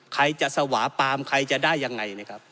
ใครจะสวาปามใครจะได้ยังไงนะครับ